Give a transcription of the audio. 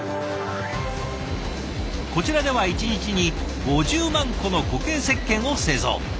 こちらでは１日に５０万個の固形石鹸を製造。